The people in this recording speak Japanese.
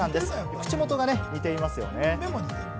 口元がね、似ていますね。